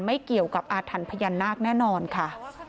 ไม่เกี่ยวกับอาถรรพ์พญานาคแน่นอนค่ะ